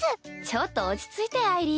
ちょっと落ち着いてあいり。